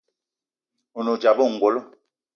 A ne odzap ayi ongolo.